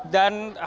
dan hal tersebut